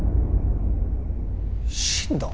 死んだ！？